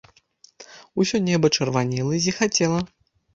Усё неба чырванела і зіхацела.